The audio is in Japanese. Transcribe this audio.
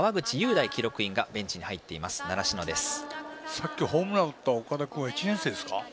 さっきホームランを打った岡田君は１年生ですか。